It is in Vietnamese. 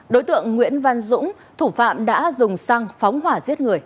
đối tượng nguyễn văn dũng thủ phạm đã dùng xăng phóng hỏa giết người